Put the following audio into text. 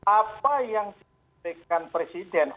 apa yang diberikan presiden